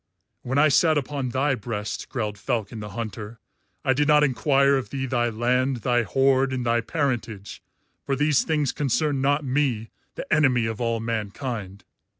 "When I sat upon thy breast," growled Falcon the Hunter, "I did not enquire of thee thy land, thy horde, and thy parentage, for these things concern not me, the enemy of all mankind.